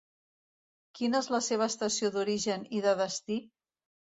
Quina es la seva estació d'origen i de destí?